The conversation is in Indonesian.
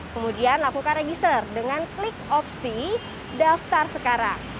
kemudian lakukan register dengan klik opsi daftar sekarang